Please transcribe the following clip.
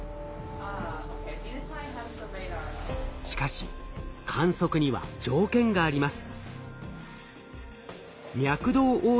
しかし観測には条件があります。